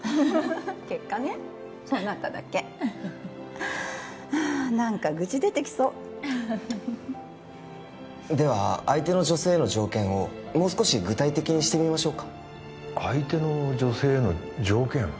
結果ねそうなっただけああ何か愚痴出てきそうでは相手の女性への条件をもう少し具体的にしてみましょうか相手の女性への条件？